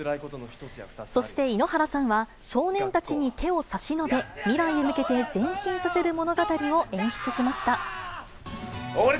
そして、井ノ原さんは少年たちに手を差し伸べ、未来へ向けて前進させる物語を演出しました。